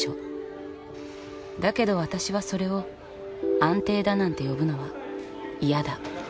だけど私はそれを安定だなんて呼ぶのは嫌だ。